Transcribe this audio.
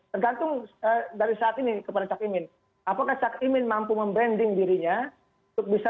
tergantung dari saat ini kepada cak imin apakah cak imin mampu membranding dirinya untuk bisa